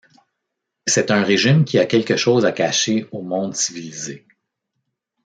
C'est un régime qui a quelque chose à cacher au monde civilisé.